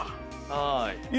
はい。